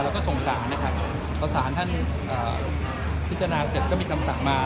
แล้วก็ส่งสารนะครับพอสารท่านพิจารณาเสร็จก็มีคำสั่งมา